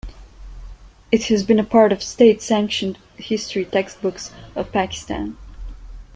It has been a part of state-sanctioned history textbooks of Pakistan.